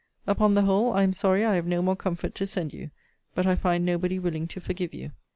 Upon the whole, I am sorry I have no more comfort to send you: but I find nobody willing to forgive you.